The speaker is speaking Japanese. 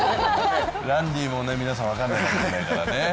ランディも皆さん分からないかもしれないからね。